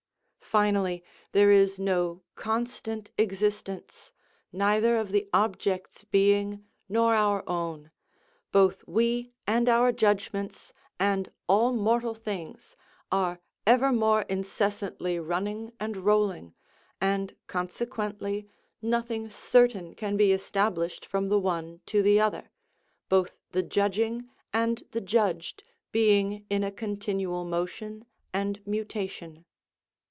Finally, there is no constant existence, neither of the objects' being nor our own; both we, and our judgments, and all mortal things, are evermore incessantly running and rolling; and consequently nothing certain can be established from the one to the other, both the judging and the judged being in a continual motion and mutation.